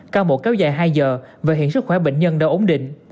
cao mộ kéo dài hai giờ và hiện sức khỏe bệnh nhân đã ổn định